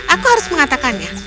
aku harus mengatakannya